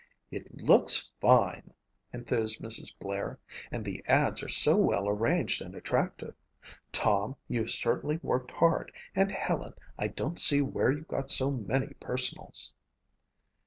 "It looks fine," enthused Mrs. Blair, "and the ads are so well arranged and attractive. Tom, you've certainly worked hard, and, Helen, I don't see where you got so many personals."